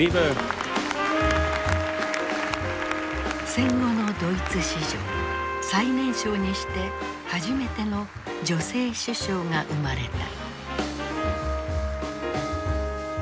戦後のドイツ史上最年少にして初めての女性首相が生まれた。